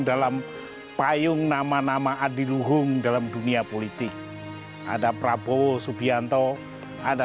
dalam payung nama nama adi luhung dalam dunia politik ada prabowo subianto ada